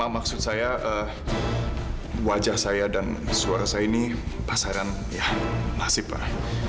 maksud saya wajah saya dan suara saya ini pasaran ya masif lah